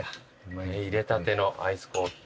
入れたてのアイスコーヒー。